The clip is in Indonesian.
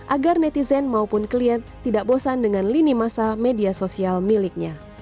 agar netizen maupun klien tidak bosan dengan lini masa media sosial miliknya